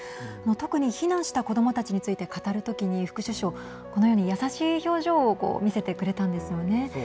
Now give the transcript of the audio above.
特に避難した子どもたちについて語るときに副首相このように優しい表情を見せてくれたんですよね。